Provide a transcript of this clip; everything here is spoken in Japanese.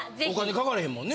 かかれへんもんね。